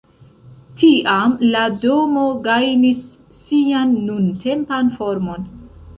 Tiam la domo gajnis sian nuntempan formon.